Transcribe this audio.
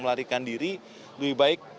melarikan diri lebih baik